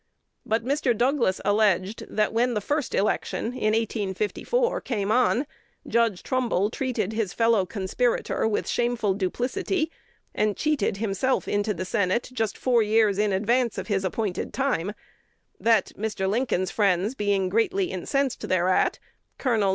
But Mr. Douglas alleged, that, when the first election (in 1854) came on, Judge Trumbull treated his fellow conspirator with shameful duplicity, and cheated himself into the Senate just four years in advance of his appointed time; that, Mr. Lincoln's friends being greatly incensed thereat, Col.